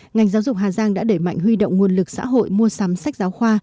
ngành giáo dục hà giang đã đẩy mạnh huy động nguồn lực xã hội mua sắm sách giáo khoa